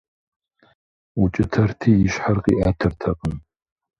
Укӏытэрти и щхьэр къиӏэтыртэкъым.